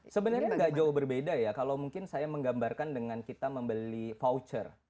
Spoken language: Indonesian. sebenarnya nggak jauh berbeda ya kalau mungkin saya menggambarkan dengan kita membeli voucher